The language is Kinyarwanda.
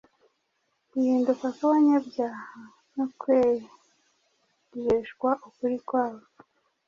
Guhinduka kw’abanyabyaha no kwejeshwa ukuri kwabo